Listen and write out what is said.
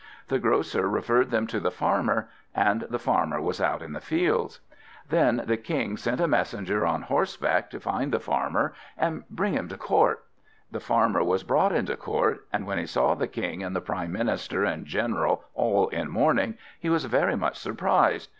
The Grocer referred them to the Farmer, and the Farmer was out in the fields. Then the King sent a messenger on horseback to find the Farmer and bring him to court. The Farmer was brought into court, and when he saw the King and the Prime Minister and General all in mourning, he was very much surprised.